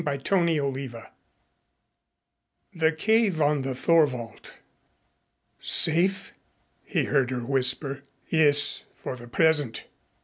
CHAPTER XIX THE CAVE ON THE THORWALD "Safe?" he heard her whisper. "Yes, for the present."